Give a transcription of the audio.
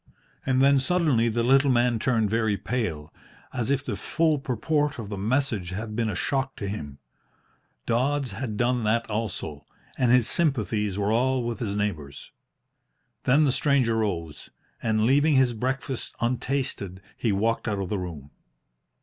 And then suddenly the little man turned very pale, as if the full purport of the message had been a shock to him. Dodds had done that also, and his sympathies were all with his neighbours. Then the stranger rose, and, leaving his breakfast untasted, he walked out of the room.